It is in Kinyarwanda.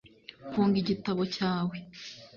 funga igitabo cyawe